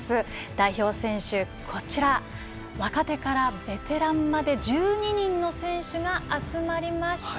代表選手、こちら若手からベテランまで１１人の選手が集まりました。